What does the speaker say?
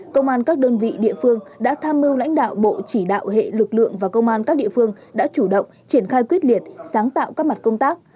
công an các đơn vị địa phương đã tham mưu lãnh đạo bộ chỉ đạo hệ lực lượng và công an các địa phương đã chủ động triển khai quyết liệt sáng tạo các mặt công tác